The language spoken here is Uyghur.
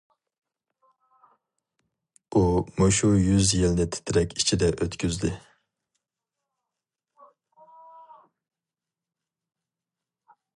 ئۇ مۇشۇ يۈز يىلنى تىترەك ئىچىدە ئۆتكۈزدى.